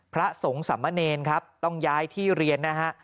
พระสงฆ์สามเณรครับต้องย้ายที่เรียนนะฮะ